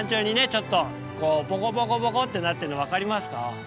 ちょっとこうボコボコボコってなってんの分かりますか？